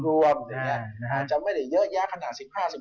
อาจจะไม่ได้เยอะแยะขนาด๑๕๑๖